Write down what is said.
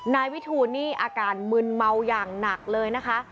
นายวิทูลนี่อาการมึนเมาอย่างหนักเลยนะคะ